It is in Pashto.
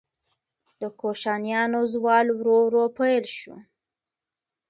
د کوشانیانو زوال ورو ورو پیل شو